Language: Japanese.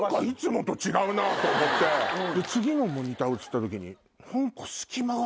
次もモニター映った時に。